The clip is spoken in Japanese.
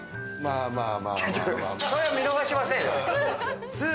それは見逃しませんよ。